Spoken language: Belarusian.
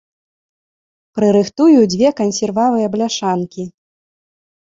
Прырыхтую дзве кансервавыя бляшанкі.